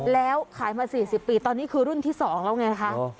แล้วขายมา๔๐ปีตอนนี้คือรุ่นที่๒แล้วไงคะ